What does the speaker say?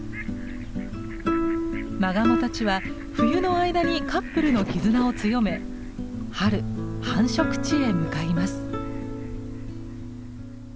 マガモたちは冬の間にカップルの絆を強め春繁殖地へ向かいます。